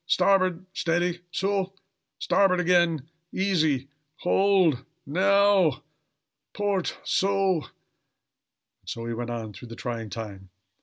starboard! steady! so! Starboard again! Easy! hold! Now! port so!" And so he went on through the trying time.